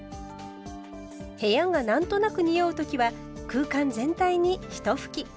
部屋が何となく臭う時は空間全体に一吹き。